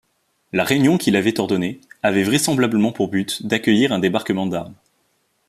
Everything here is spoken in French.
La réunion qu'il avait ordonné avait vraisemblablement pour but d'accueillir un débarquement d'armes.